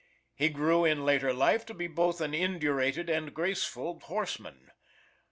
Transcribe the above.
He grew in later life to be both an indurated and a graceful horseman.